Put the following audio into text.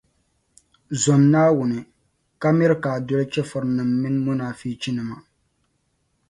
Zom Naawuni, ka miri ka a doli chεfurinim’ mini munaafichinima.